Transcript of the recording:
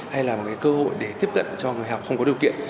hay là một cơ hội để tiếp cận cho người học không có điều kiện